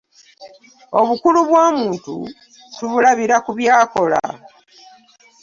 Obukulu bw'omuntu tubulabira ku by'akola.